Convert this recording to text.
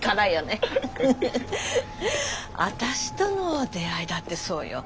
あたしとの出会いだってそうよ。